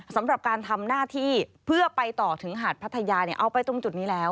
สำหรับการทำหน้าที่เพื่อไปต่อถึงหาดพัทยาเนี่ยเอาไปตรงจุดนี้แล้ว